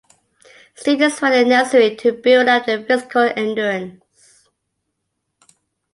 Students found it necessary to build up their physical endurance.